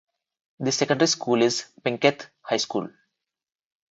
The secondary school is Penketh High School.